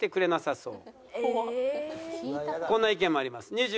こんな意見もあります。